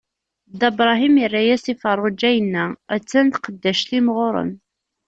Dda Bṛahim irra-as i Feṛṛuǧa, inna: a-tt-an tqeddact-im ɣur-m.